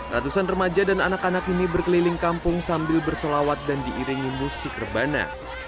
ratusan remaja dan anak anak ini berkeliling kampung sambil bersolawat dan diiringi musik rebana